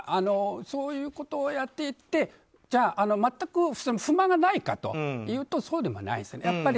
そういうことをやっていって全く不満がないかというとそうでもないですね。